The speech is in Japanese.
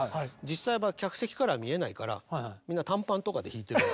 実際は客席から見えないからみんな短パンとかで弾いてる。